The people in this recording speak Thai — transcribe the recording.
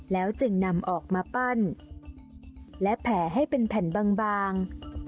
แล้วจึงนำออกมาปั้นและแผลให้เป็นแผ่นบาง